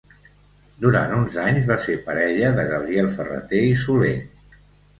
Durant uns anys va ser parella de Gabriel Ferrater i Soler.